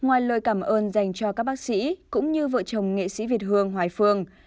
ngoài lời cảm ơn dành cho các bác sĩ cũng như vợ chồng nghệ sĩ việt hương hoài phương